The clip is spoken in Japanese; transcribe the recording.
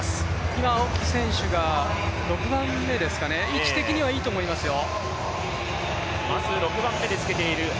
今、青木選手が６番目ですかね、位置的にはいいと思いますよ。